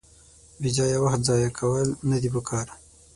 بېځایه وخت ځایه کول ندي پکار.